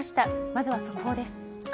まずは速報です。